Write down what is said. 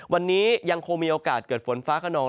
วันนี้ยังคงมีโอกาสเกิดฝนฟ้าขนอง